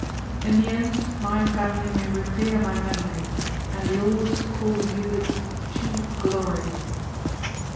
In the end my family may revere my memory and yours call you its chief glory."